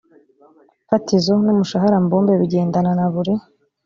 fatizo n umushahara mbumbe bigendana na buri